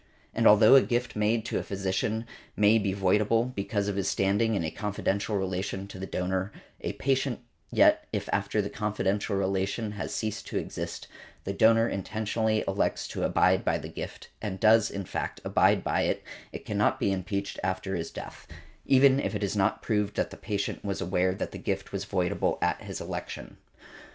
And although a |141| gift made to a physician may be voidable, because of his standing in a confidential relation to the donor, a patient, yet, if after the confidential relation has ceased to exist, the donor intentionally elects to abide by the gift, and does, in fact, abide by it, it cannot be impeached after his death, even if it is not proved that the patient was aware that the gift was voidable at his election .